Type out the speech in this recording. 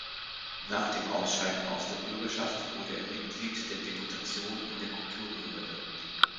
Nach dem Ausscheiden aus der Bürgerschaft wurde er Mitglied der Deputation in der Kulturbehörde.